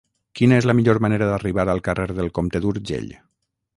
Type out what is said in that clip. Quina és la millor manera d'arribar al carrer del Comte d'Urgell?